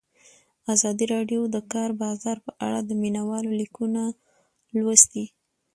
ازادي راډیو د د کار بازار په اړه د مینه والو لیکونه لوستي.